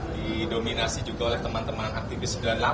didominasi juga oleh teman teman aktivis sembilan puluh delapan